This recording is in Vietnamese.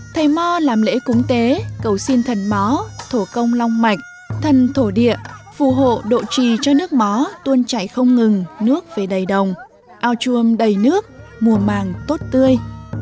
thầy mò làm lễ cúng tế cầu xin thần mó thổ công long mạch thần thổ địa phù hộ độ trì cho nước mó tuôn chảy không ngừng nước về đầy đồng ao chuông đầy nước mùa màng tốt tươi